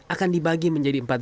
akan dibagi menjadi masalah